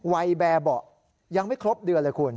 วัยแบบยังไม่ครบเดือนเลยคุณ